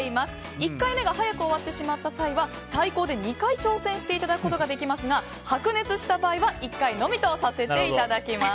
１回目が早く終わってしまった際は最高で２回挑戦していただくことができますが白熱した場合は１回のみとさせていただきます。